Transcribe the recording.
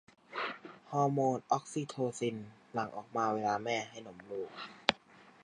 ฮอร์โมนออกซิโทซินหลั่งออกมาเวลาแม่ให้นมลูก